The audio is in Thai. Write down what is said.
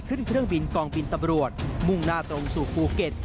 เครื่องบินกองบินตำรวจมุ่งหน้าตรงสู่ภูเก็ต